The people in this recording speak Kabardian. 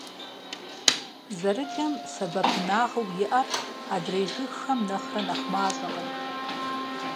Зэрыджэм сэбэпынагъыу иӀэр адрей жыгхэм нэхърэ нэхъ мащӀэкъым.